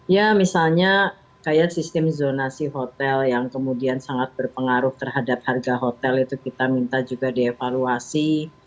ya misalnya kayak sistem zonasi hotel yang kemudian sangat berpengaruh terhadap harga hotel itu kita minta juga dievaluasi